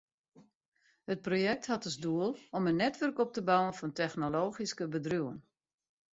It projekt hat as doel om in netwurk op te bouwen fan technologyske bedriuwen.